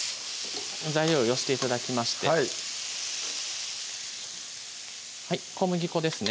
材料を寄して頂きましてはい小麦粉ですね